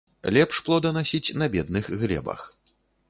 Лепш плоданасіць на бедных глебах.